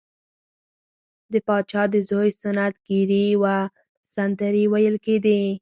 د پاچا د زوی سنت ګیری وه سندرې ویل کیدې.